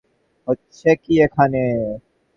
হচ্ছেটা কী এখানে?